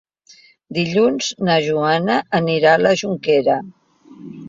Dilluns na Joana anirà a la Jonquera.